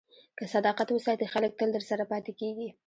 که صداقت وساتې، خلک تل درسره پاتې کېږي.